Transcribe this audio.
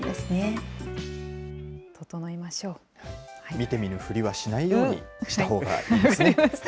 見て見ぬふりはしないようにしたほうがいいですね。